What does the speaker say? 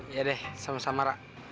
ya deh sama sama rak